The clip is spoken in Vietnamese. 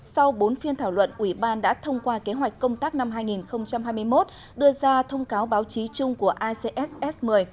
sau bốn phiên thảo luận ủy ban đã thông qua kế hoạch công tác năm hai nghìn hai mươi một đưa ra thông cáo báo chí chung của acss một mươi